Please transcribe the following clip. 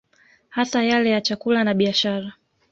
Hasa yale ya chakula na biashara